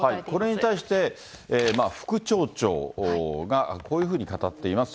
これに対して、副町長がこういうふうに語っています。